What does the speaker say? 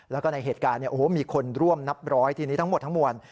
แล้วก็ในเหตุการณ์มีคนร่วมนับร้อยทีนี้ทั้งหมดทั้งมวล